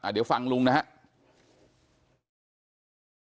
เดี๋ยวฟังลุงนะครับ